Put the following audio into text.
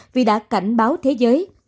vì đã cảnh báo thế giới